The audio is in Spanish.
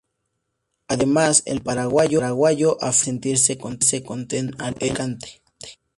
Además, el paraguayo afirmaba sentirse contento en Alicante.